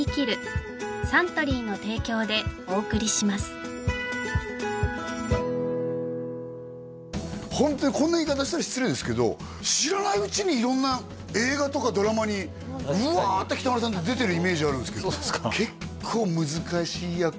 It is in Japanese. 私ホントにこんな言い方したら失礼ですけど知らないうちに色んな映画とかドラマにブワーッて北村さんって出てるイメージあるんですけどそうですか？